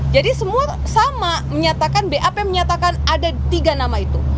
jadi semua sama menyatakan bap menyatakan ada tiga nama itu